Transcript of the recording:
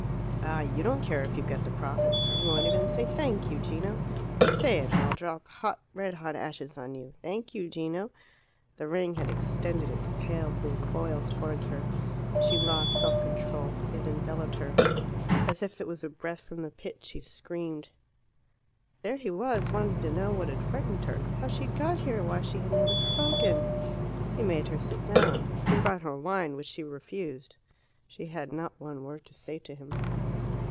"Ah! you don't care if you get the profits. You won't even say 'Thank you, Gino.' Say it, or I'll drop hot, red hot ashes on you. 'Thank you, Gino '" The ring had extended its pale blue coils towards her. She lost self control. It enveloped her. As if it was a breath from the pit, she screamed. There he was, wanting to know what had frightened her, how she had got here, why she had never spoken. He made her sit down. He brought her wine, which she refused. She had not one word to say to him.